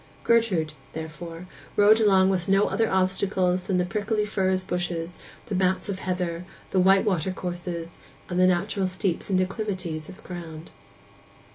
Gertrude, therefore, rode along with no other obstacles than the prickly furze bushes, the mats of heather, the white water courses, and the natural steeps and declivities of the ground.